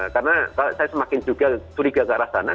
karena saya semakin juga curiga ke arah tanah